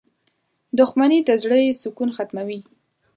• دښمني د زړۀ سکون ختموي.